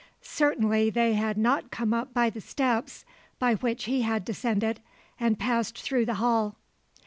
Certainly they had not come up by the steps by which he had descended, and passed through the hall.